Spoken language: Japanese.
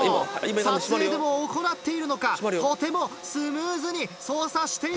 撮影でも行っているのかとてもスムーズに操作しています。